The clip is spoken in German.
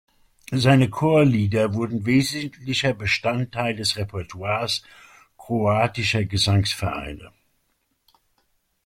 Seine Chorlieder wurden wesentlicher Bestandteil des Repertoires kroatischer Gesangvereine.